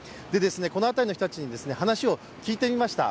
この辺りの人たちに話を聞いてみました。